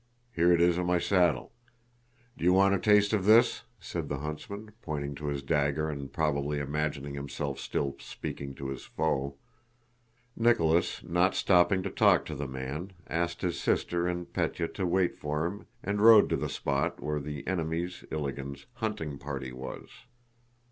Here it is on my saddle! Do you want a taste of this?..." said the huntsman, pointing to his dagger and probably imagining himself still speaking to his foe. Nicholas, not stopping to talk to the man, asked his sister and Pétya to wait for him and rode to the spot where the enemy's, Ilágin's, hunting party was.